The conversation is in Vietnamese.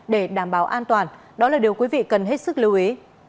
để đảm bảo an toàn đó là điều quý vị cần hết sức lưu ý